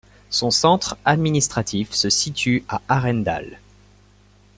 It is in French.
Son centre administratif se situe à Arendal.